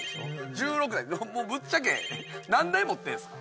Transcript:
１６台ぶっちゃけ何台持ってるんですか？